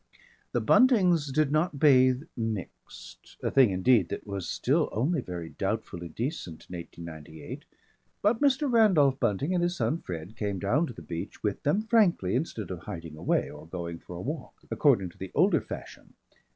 The Buntings did not bathe "mixed," a thing indeed that was still only very doubtfully decent in 1898, but Mr. Randolph Bunting and his son Fred came down to the beach with them frankly instead of hiding away or going for a walk according to the older fashion.